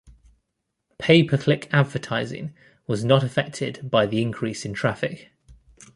Pay-per-click advertising was not affected by the increase in traffic.